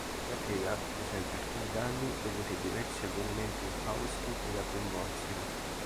La tela presenta alcuni danni dovuti a diversi avvenimenti infausti che la coinvolsero.